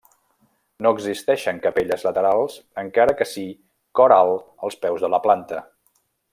No existeixen capelles laterals encara que sí cor alt als peus de la planta.